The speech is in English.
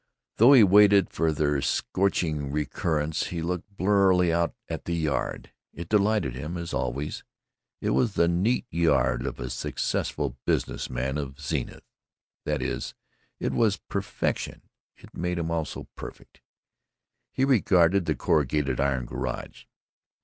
Though he waited for their scorching recurrence, he looked blurrily out at the yard. It delighted him, as always; it was the neat yard of a successful business man of Zenith, that is, it was perfection, and made him also perfect. He regarded the corrugated iron garage.